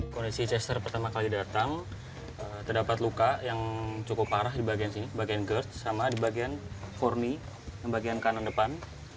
kondisi chester pertama kali datang terdapat luka yang cukup parah di bagian sini bagian gerd sama di bagian formi yang bagian kanan depan